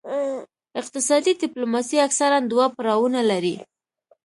اقتصادي ډیپلوماسي اکثراً دوه پړاوونه لري